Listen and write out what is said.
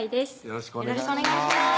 よろしくお願いします